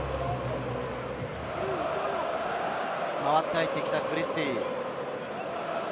代わって入ってきたクリスティー。